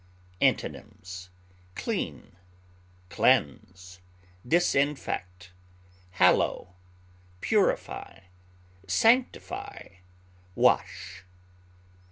Antonyms: clean, cleanse, disinfect, hallow, purify, sanctify, wash.